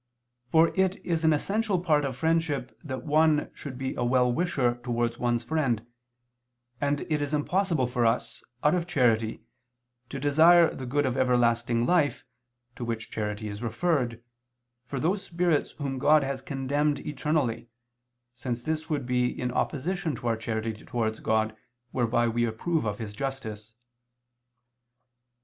For it is an essential part of friendship that one should be a well wisher towards one's friend; and it is impossible for us, out of charity, to desire the good of everlasting life, to which charity is referred, for those spirits whom God has condemned eternally, since this would be in opposition to our charity towards God whereby we approve of His justice.